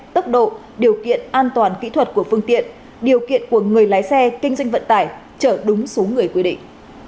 tốc độ điều kiện an toàn kỹ thuật của phương tiện điều kiện của người lái xe kinh doanh vận tải chở đúng số người quy định